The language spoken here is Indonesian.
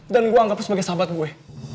dan gua anggap lu sebagai sahabat gue